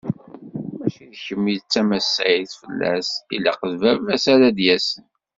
Mačči d kemm i d tamassayt fell-as, ilaq d baba-s ara d-yasen.